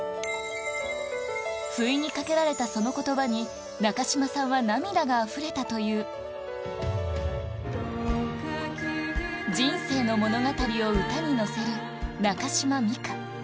不意に掛けられたその言葉に中島さんは涙があふれたという人生の物語を歌に乗せる中島美嘉